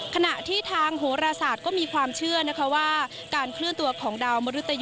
ขณะที่ทางโฮราศาสตร์ก็มีความเชื่อนะคะว่า